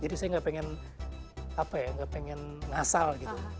jadi saya gak pengen apa ya gak pengen ngasal gitu